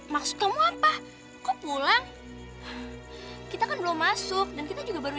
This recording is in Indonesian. maksud kamu apa kok pulang kita kan belum masuk dan kita juga baru